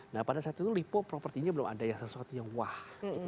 nah pada saat itu lipo propertinya belum ada yang sesuatu yang wah gitu loh